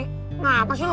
kenapa sih lu